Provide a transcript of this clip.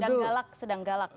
sedang galak sedang galak